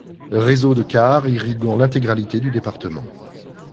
Réseau de cars irriguant l'intégralité du département.